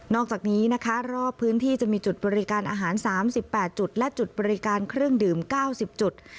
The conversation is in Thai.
อกจากนี้นะคะรอบพื้นที่จะมีจุดบริการอาหาร๓๘จุดและจุดบริการเครื่องดื่ม๙๐จุด